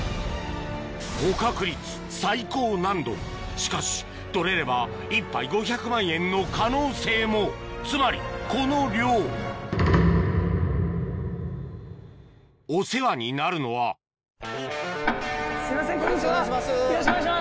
しかし取れれば１杯５００万円の可能性もつまりこの漁お世話になるのはすいませんこんにちは。